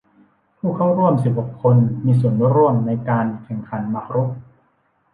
ผู้เข้าร่วมสิบหกคนมีส่วนร่วมในการแข่งขันหมากรุก